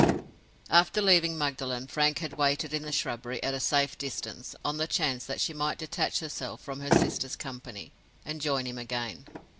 After leaving Magdalen, Frank had waited in the shrubbery, at a safe distance, on the chance that she might detach herself from her sister's company, and join him again.